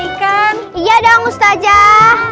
iya dong ustazah